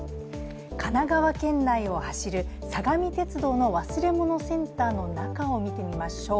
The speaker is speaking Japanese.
神奈川県内を走る相模鉄道の忘れ物センターの中を見てみましょう。